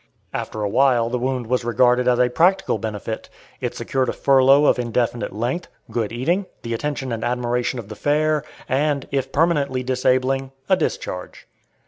After awhile the wound was regarded as a practical benefit. It secured a furlough of indefinite length, good eating, the attention and admiration of the fair, and, if permanently disabling, a discharge.